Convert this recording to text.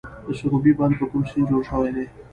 د سروبي بند په کوم سیند جوړ شوی دی؟